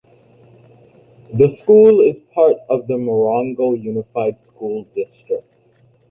The school is part of the Morongo Unified School District.